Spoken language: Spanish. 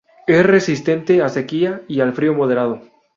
Es resistente a sequía y al frío moderado.